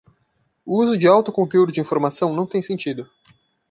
O uso de alto conteúdo de informação não tem sentido.